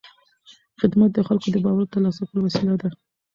خدمت د خلکو د باور د ترلاسه کولو وسیله ده.